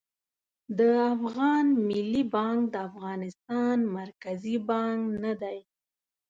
د افغان ملي بانک د افغانستان مرکزي بانک نه دي